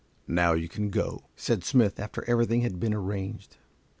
"Now you can go," said Smith, after everything had been arranged.